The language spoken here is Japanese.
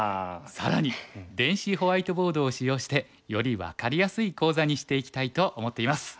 更に電子ホワイトボードを使用してより分かりやすい講座にしていきたいと思っています。